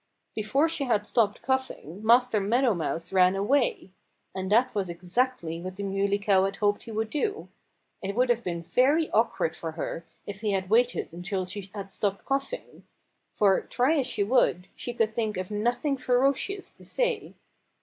Before she had stopped coughing Master Meadow Mouse ran away. And that was exactly what the Muley Cow had hoped he would do. It would have been very awkward for her if he had waited until she had stopped coughing. For try as she would, she could think of nothing ferocious to say.